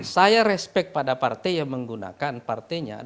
saya respect pada partai yang menggunakan partainya